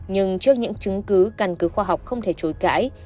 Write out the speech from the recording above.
nhưng trước những chứng cứ căn cứ khoa học không thể chối cãi